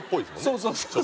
そうそうそうそう！